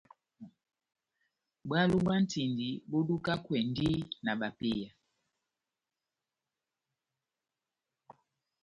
Bwalo bwa ntindi bó dukakwɛndi na bapeya.